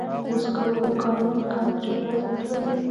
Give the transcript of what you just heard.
د سکرو د کارونې کمښت چاپېریال ته ګټه رسوي.